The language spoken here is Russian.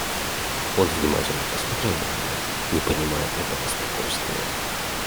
Он внимательно посмотрел на нее, не понимая этого спокойствия.